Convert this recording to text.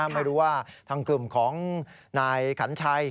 ไม่รู้ว่าทางกลุ่มของนายขันชัย